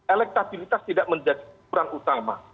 elektabilitas tidak menjadi kurang utama